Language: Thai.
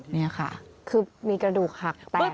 นี่ค่ะคือมีกระดูกหักแตกแน่แน่แน่แน่แน่